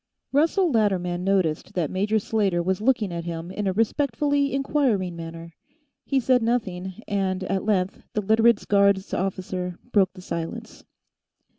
Russell Latterman noticed that Major Slater was looking at him in a respectfully inquiring manner. He said nothing, and, at length, the Literates' guards officer broke the silence.